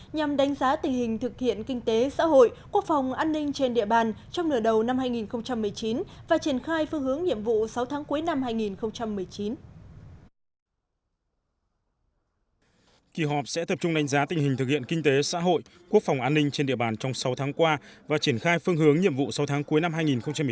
nhằm đánh giá tình hình thực hiện kinh tế xã hội quốc phòng an ninh trên địa bàn trong nửa đầu năm hai nghìn một mươi chín và triển khai phương hướng nhiệm vụ sáu tháng cuối năm hai nghìn một mươi chín